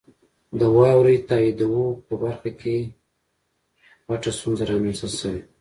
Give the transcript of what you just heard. د واورئ تائیدو په برخه کې غټه ستونزه رامنځته شوي.